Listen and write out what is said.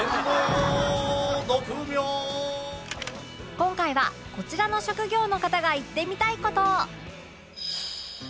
今回はこちらの職業の方が言ってみたい事